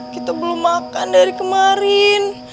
kita belum makan dari kemarin